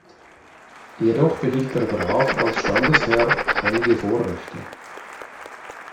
Jedoch behielt der Graf als Standesherr einige Vorrechte.